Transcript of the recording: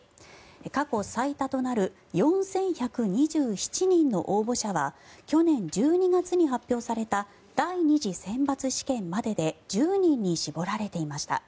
過去最多となる４１２７人の応募者は去年１２月に発表された第２次選抜試験までで１０人に絞られていました。